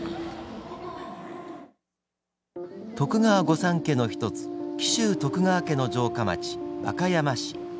徳川御三家の１つ紀州徳川家の城下町、和歌山市。